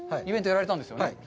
イベントをやられたんですね。